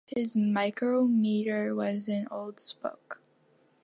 His micrometer was an old spoke.